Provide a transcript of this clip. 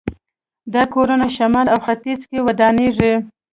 دا کورونه شمال او ختیځ کې ودانېږي.